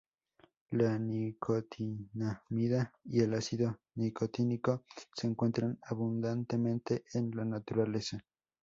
La nicotinamida y el ácido nicotínico se encuentran abundantemente en la naturaleza.